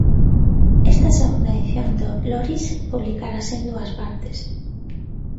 Esta segunda edición do Lórix publicarase en dúas partes.